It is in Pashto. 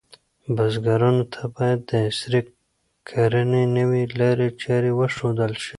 بزګرانو ته باید د عصري کرنې نوې لارې چارې وښودل شي.